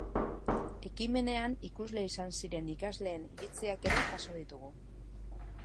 Ekimenean ikusle izan ziren ikasleen iritziak ere jaso ditugu.